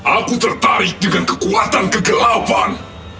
aku tertarik dengan kekuatan kegelapan